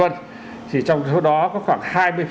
thì trong số đó có khoảng hai mươi